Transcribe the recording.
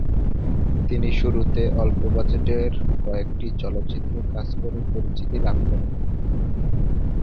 তিনি শুরুতে স্বল্প বাজেটের কয়েকটি চলচ্চিত্রে কাজ করে পরিচিতি লাভ করেন।